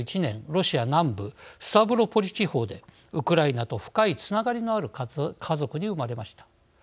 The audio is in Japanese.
ロシア南部スタブロポリ地方でウクライナと深いつながりのある家族に生まれました。